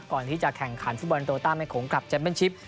ก่อนที่จะแข่งขันฝุ่นบอลโอนโตตามแห่งโขงคลับเจ็บแบ้นชิป